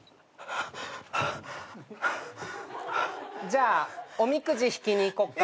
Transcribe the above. じゃあおみくじ引きに行こっか。